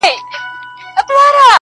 برابره یې قسمت کړه پر ده لاره.!